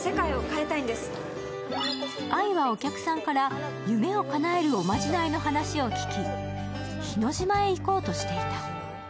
愛は、お客さんから夢をかなえるおまじないの話を聞き、日之島へ行こうとしていた。